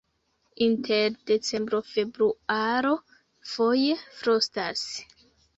Inter decembro-februaro foje frostas.